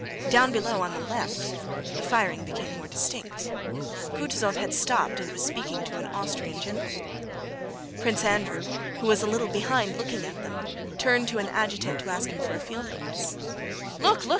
Down below, on the left, the firing became more distinct. Kutúzov had stopped and was speaking to an Austrian general. Prince Andrew, who was a little behind looking at them, turned to an adjutant to ask him for a field glass. "Look, look!"